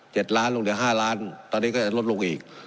ล้านลงเหลือห้าล้านตอนนี้ก็จะลดลงอีก